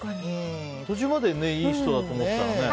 途中までいい人だと思ったらね。